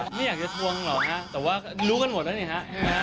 ไม่อยากจะทวงหรอกฮะแต่ว่ารู้กันหมดแล้วนี่ฮะ